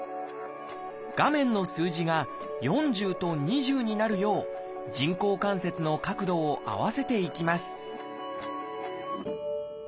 画面の数字が４０と２０になるよう人工関節の角度を合わせていきます